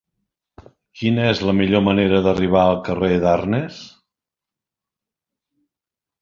Quina és la millor manera d'arribar al carrer d'Arnes?